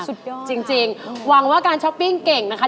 สุดยอดจริงหวังว่าการช้อปปิ้งเก่งนะคะ